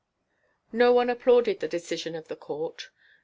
No one applauded the decision of the court.